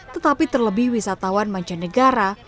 tetapi terlebih wisatawan mancanegara